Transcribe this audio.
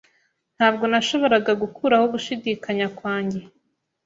Ntabwo nashoboraga gukuraho gushidikanya kwanjye.